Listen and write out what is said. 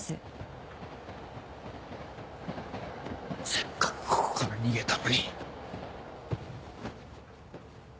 せっかくここから逃げたのに。